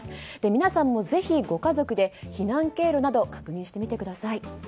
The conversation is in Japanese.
皆さんもぜひ、ご家族で避難経路など確認してみてください。